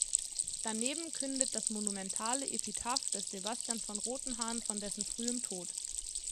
Daneben kündet das monumentale Epitaph des Sebastian von Rotenhan von dessen frühem Tod.